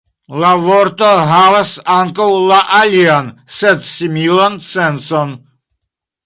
La vorto havas ankaŭ la alian sed similan sencon.